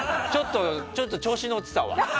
ちょっと調子乗ってたわ。